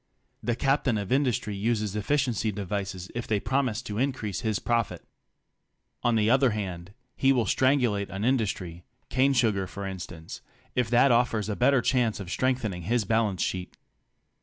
The captain of industry uses efficiency devices if they promise to increase his profit. On the other hand, he will strangulate an industry — cane sugar for in stance—if that offers a better chance of strengthening his balance sheet.